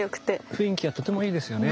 雰囲気がとてもいいですよね。